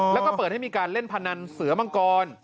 แล้วก็เปิดให้มีการเล่นพนันเสือมังกร